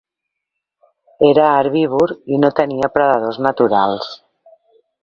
Era herbívor i no tenia predadors naturals.